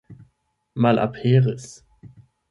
malaperis